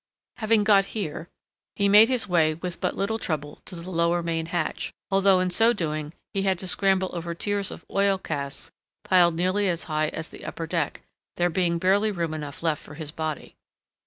Having got here, he made his way with but little trouble to the lower main hatch, although in so doing he had to scramble over tiers of oil casks piled nearly as high as the upper deck, there being barely room enough left for his body.